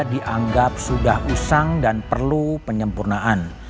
dianggap sudah usang dan perlu penyempurnaan